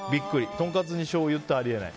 トンカツにしょうゆってあり得ない。